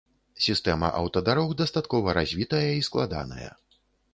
Сістэма аўтадарог дастаткова развітая і складаная.